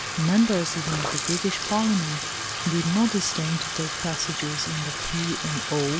Members even of the British Parliament did not disdain to take passages in the "P. and O."